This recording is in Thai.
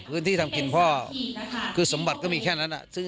พื้นที่ทำกินพ่อคือสมบัติก็มีแค่นั้น